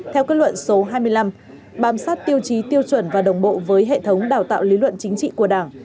theo kết luận số hai mươi năm bám sát tiêu chí tiêu chuẩn và đồng bộ với hệ thống đào tạo lý luận chính trị của đảng